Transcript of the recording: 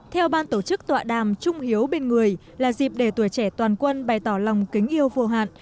theo ban tổ chức tọa đàm trung hiếu bên người là dịp để tuổi trẻ toàn quân bày tỏ lòng kính yêu vô hạn